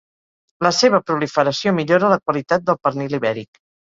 La seva proliferació millora la qualitat del pernil ibèric.